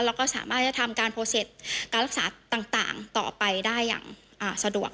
แล้วก็สามารถจะทำการโพเซตการรักษาต่างต่อไปได้อย่างสะดวก